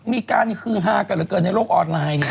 มีการคืนหากระเกิดในโลกออนไลน์